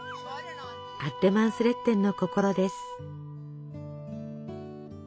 アッレマンスレッテンの心です。